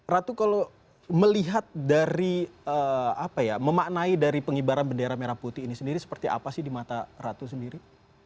ratu kalau melihat dari apa ya memaknai dari pengibaran bendera merah putih ini sendiri seperti apa sih di mata ratu sendiri